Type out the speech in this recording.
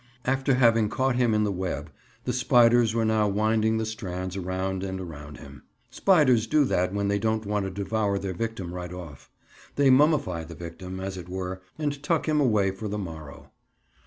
After having caught him in the web, the spiders were now winding the strands around and around him. Spiders do that when they don't want to devour their victim right off. They mummify the victim, as it were, and tuck him away for the morrow.